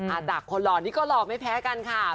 จากคนหล่อนี้ก็หล่อไม่แพ้กันค่ะ